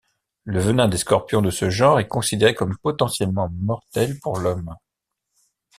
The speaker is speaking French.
Le venin des scorpions de ce genre est considéré comme potentiellement mortel pour l'homme.